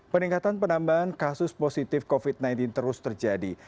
peningkatan penambahan kasus positif covid sembilan belas terus terjadi